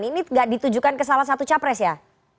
ini gak ditujukan ke salah satu capres ya